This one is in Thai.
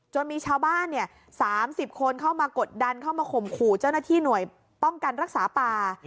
มีชาวบ้าน๓๐คนเข้ามากดดันเข้ามาข่มขู่เจ้าหน้าที่หน่วยป้องกันรักษาป่า